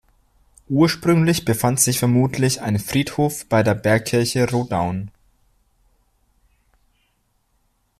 Ursprünglich befand sich vermutlich ein Friedhof bei der Bergkirche Rodaun.